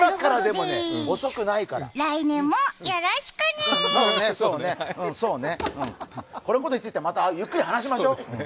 そうね、そうね、うん、このことについてはまたゆっくり話しましょう。